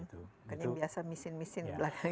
bukan yang biasa misin misin